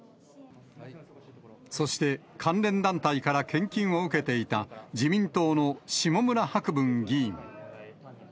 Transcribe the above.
そして、関連団体から献金を受けていた自民党の下村博文議員。